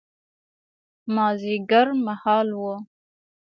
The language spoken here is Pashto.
مازیګر مهال و.